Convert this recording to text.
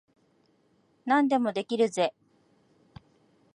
何でもできるぜ。